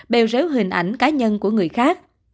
bèo rớu hình ảnh cá nhân của người khác